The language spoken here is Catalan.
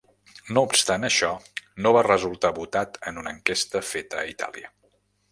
No obstant això, no va resultar votat en una enquesta feta a Itàlia.